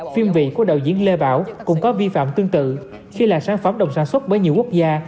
phim việt của đạo diễn lê bảo cũng có vi phạm tương tự khi là sản phẩm đồng sản xuất bởi nhiều quốc gia